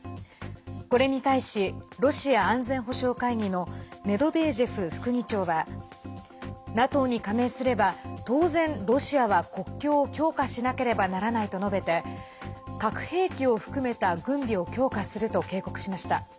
これに対しロシア安全保障会議のメドベージェフ副議長はＮＡＴＯに加盟すれば当然、ロシアは国境を強化しなければならないと述べて核兵器を含めた軍備を強化すると警告しました。